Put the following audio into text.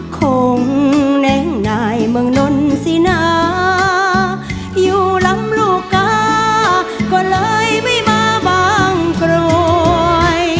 คงแน่งนายเมืองนนสินาอยู่ลำลูกกาก็เลยไม่มาบางกรวย